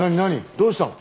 どうしたの？